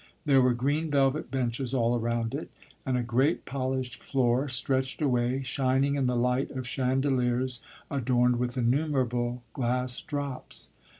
There were green velvet benches all around it, and a great polished floor stretched away, shining in the light of chandeliers adorned with innumerable glass drops.